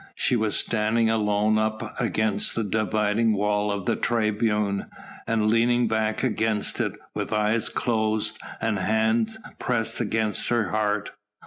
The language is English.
She was standing alone up against the dividing wall of the tribune, and leaning back against it, with eyes closed, and hand pressed against her heart.